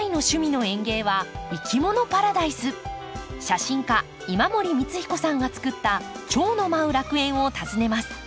写真家今森光彦さんが作った蝶の舞う楽園を訪ねます。